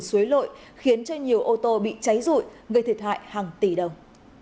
suối lội khiến cho nhiều ô tô bị cháy rụi gây thiệt hại hàng tỷ đồng